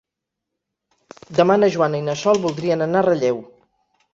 Demà na Joana i na Sol voldrien anar a Relleu.